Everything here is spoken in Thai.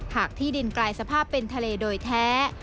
ที่ดินกลายสภาพเป็นทะเลโดยแท้